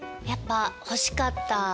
やっぱ欲しかった。